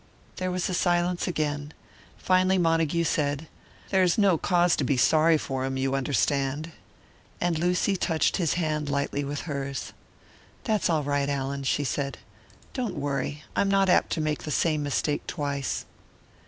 There was a silence again. Finally Montague said, "There is no cause to be sorry for him, you understand." And Lucy touched his hand lightly with hers. "That's all right, Allan," she said. "Don't worry. I am not apt to make the same mistake twice."